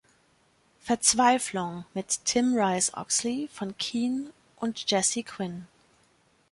"Verzweiflung" mit Tim Rice-Oxley von "Keane" und Jesse Quin.